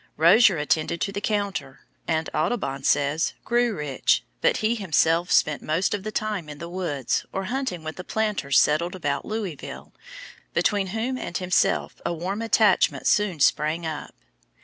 Rozier attended to the counter, and, Audubon says, grew rich, but he himself spent most of the time in the woods or hunting with the planters settled about Louisville, between whom and himself a warm attachment soon sprang up.